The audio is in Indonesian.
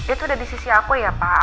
itu udah di sisi aku ya pak